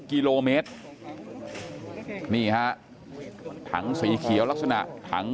กลุ่มตัวเชียงใหม่